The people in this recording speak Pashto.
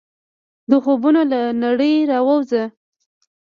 د خوبونو له نړۍ راووځه !